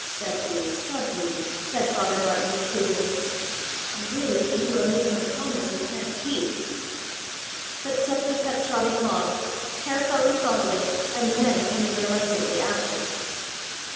"Seppli, Seppli," said Father Martin reprovingly, "I really think you are making a promise you can't keep." But Seppli kept trotting along, Herr Feland following, and the men coming reluctantly after.